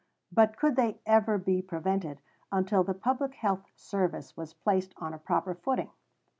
But could they ever be prevented until the Public Health Service was placed on a proper footing?